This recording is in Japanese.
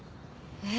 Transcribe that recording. えっ。